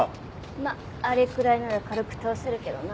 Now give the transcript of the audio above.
まっあれくらいなら軽く倒せるけどな。